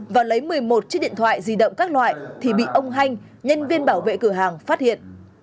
và lấy một mươi một chiếc điện thoại di động các loại thì bị ông hanh nhân viên bảo vệ cửa hàng phát hiện